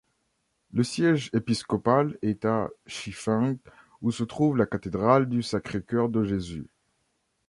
Le siège épiscopal est à Chifeng, où se trouve la cathédrale du Sacré-Cœur-de-Jésus.